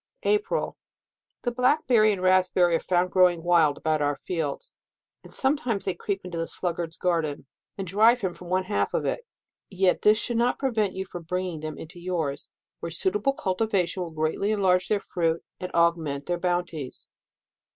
APRIL. The Blackberry and Raspberry are found growing wild about our fields, and some times they creep into the %i sluggard's gar den," and drive him from one half of it. Yet this should not prevent you from bringing them into yours, where suitable cultivation will greatly enlarge their fruit, and augment their bounties.